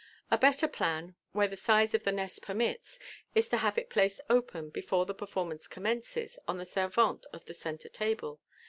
A better plan, where the size of the nest permits, is to have it placed open, before the performance commences, on the servante of the centre table.